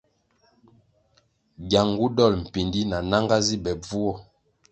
Gyangu dol mpíndí na nanga zi be bvuo.